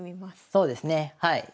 そうですねはい。